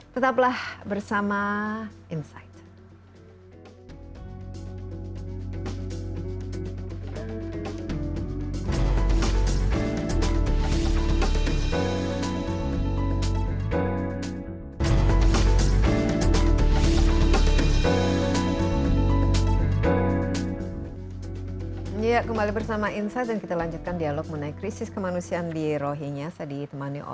tetaplah bersama insight